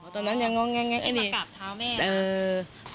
ตอนนั้นยังง้อแง้มมากราบเท้าแม่